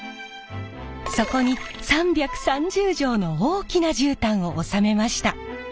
そこに３３０畳の大きな絨毯を納めました。